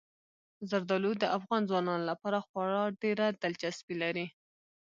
زردالو د افغان ځوانانو لپاره خورا ډېره دلچسپي لري.